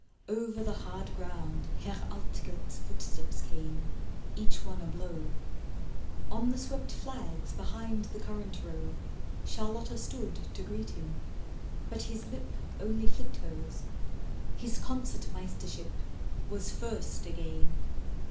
Over the hard ground Herr Altgelt's footsteps came, each one a blow. On the swept flags behind the currant row Charlotta stood to greet him. But his lip Only flicked hers. His Concert Meistership Was first again.